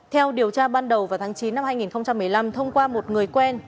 theo điều tra ban đầu vào tháng chín năm hai nghìn một mươi năm thông qua một người quen